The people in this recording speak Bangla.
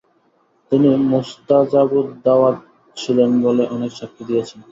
তিনি মুস্তাজাবুদ দাওয়াত ছিলেন বলে অনেকে সাক্ষী দিয়েছেন।